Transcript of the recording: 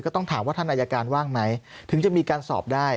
ต้องถามว่าท่านอายการว่างไหมถึงจะมีการสอบได้